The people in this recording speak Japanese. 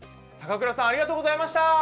高倉さんありがとうございました。